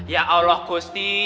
ya allah gusti